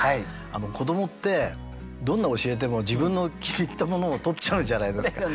子どもってどんな教えても自分の気に入ったものを取っちゃうじゃないですか。